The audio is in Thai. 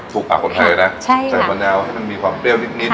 ถูกอากฏไทยนะใช่ค่ะใส่มะนาวให้มันมีความเปรี้ยวนิดนิด